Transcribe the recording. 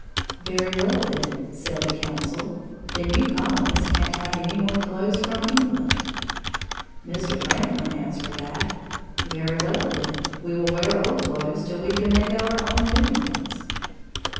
"Very well, then," said the council, "then you colonists can't have any more clothes from England." Mr. Franklin answered back: "Very well, then, we will wear old clothes till we can make our own new ones!"